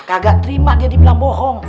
kagak terima dia dibilang bohong